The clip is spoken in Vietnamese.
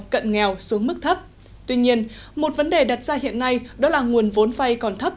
cận nghèo xuống mức thấp tuy nhiên một vấn đề đặt ra hiện nay đó là nguồn vốn vay còn thấp